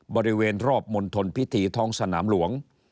บริเวณรอบมณฑลพิธีท้องสนามหลวง